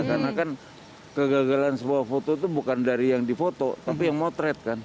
karena kan kegagalan sebuah foto itu bukan dari yang di foto tapi yang motret kan